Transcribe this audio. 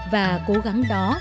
và cố gắng đó